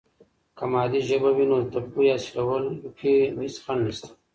که مادي ژبه وي، نو د پوهې حاصلولو کې هیڅ خنډ نسته.